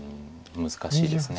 難しいです。